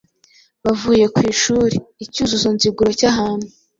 Bavuye ku ishuri. icyuzuzo nziguro cy’ahantu